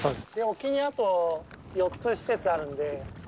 沖にあと、４つ施設あるんで。